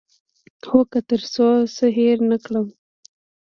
هو، که تر څو څه هیر نه کړم